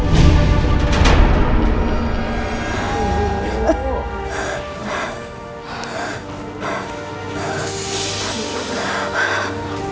setelah waktu dua jam